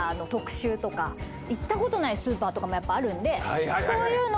行ったことないスーパーとかもやっぱあるんでそういうのは。